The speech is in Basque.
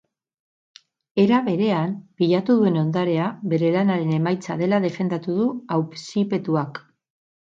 Era berean, pilatu duen ondarea bere lanaren emaitza dela defendatu du auzipetuak.